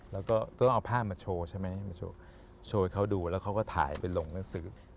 แล้วก็ต้องเอาผ้ามาโชว์โชว์ให้เค้าดูแล้วก็ถ่ายเป็นร่องหนังสือ